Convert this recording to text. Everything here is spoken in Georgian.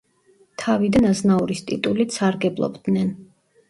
თავიდან აზნაურის ტიტულით სარგებლობდნენ.